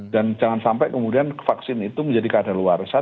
dan jangan sampai kemudian vaksin itu menjadi keadaan luar resah